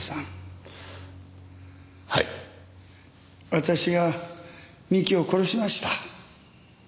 私が三木を殺しました。